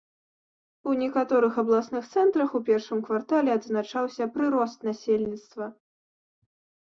У некаторых абласных цэнтрах у першым квартале адзначаўся прырост насельніцтва.